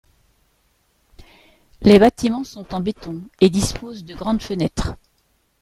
Les bâtiments sont en béton et disposent de grandes fenêtres.